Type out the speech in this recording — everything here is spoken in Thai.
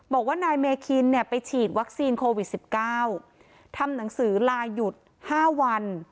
บอกว่านายเมคินเนี่ยไปฉีดวัคซีนโควิด๑๙ทำหนังสือลาหยุด๕วัน